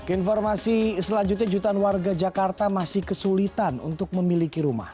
informasi selanjutnya jutaan warga jakarta masih kesulitan untuk memiliki rumah